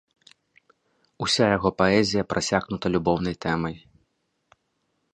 Уся яго паэзія прасякнута любоўнай тэмай.